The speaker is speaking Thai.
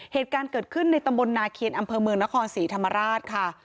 เหตุการณ์เกิดขึ้นในตำบลนาเคียนอำเภอเมืองนครศรีธรรมราชค่ะ